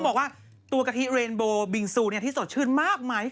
คุณบอกว่าตัวกะทิเรนโบร์บิงซูน่ะที่สดชื่นมากเลย